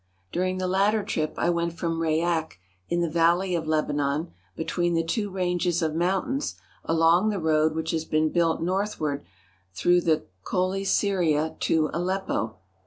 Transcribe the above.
During the latter trip I went from Rayak, in the Valley of Lebanon, between the two ranges of mountains, along the road which has been built northward through the Ccele Syria to Aleppo.